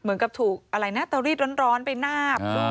เหมือนกับถูกอะไรนะเตารีดร้อนไปนาบ